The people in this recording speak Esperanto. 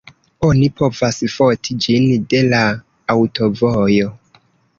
Oni povas foti ĝin de la aŭtovojo.